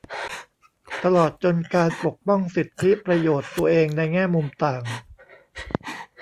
ตลอดจนการปกป้องสิทธิประโยชน์ตัวเองในแง่มุมต่าง